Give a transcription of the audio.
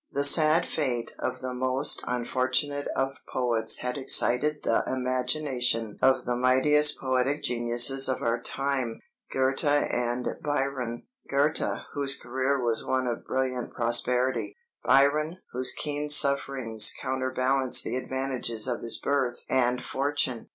The sad fate of the most unfortunate of poets had excited the imagination of the mightiest poetic geniuses of our time Goethe and Byron: Goethe, whose career was one of brilliant prosperity; Byron, whose keen sufferings counterbalanced the advantages of his birth and fortune.